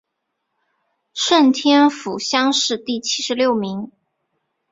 顺天府乡试第七十六名。